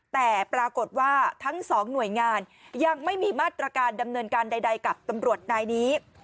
แต่ปรากฏว่าทั้งสองหน่วยงานยังไม่มีมาตรการดำเนินการใดกับตำรวจนายนี้